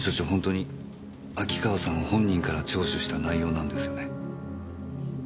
本当に秋川さん本人から聴取した内容なんですよね？